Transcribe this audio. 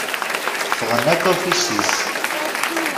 Ffɣen akk afus-is.